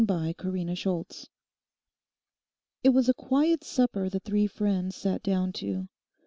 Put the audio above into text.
CHAPTER TWENTY It was a quiet supper the three friends sat down to.